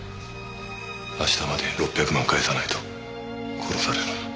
明日までに６００万返さないと殺される。